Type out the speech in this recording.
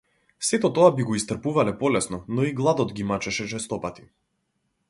Сето тоа би го истрпувале полесно, но и гладот ги мачеше честопати.